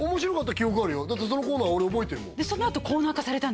記憶あるよだってそのコーナー俺覚えてるもんうん